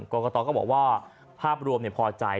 กรกตก็บอกว่าภาพรวมพอใจ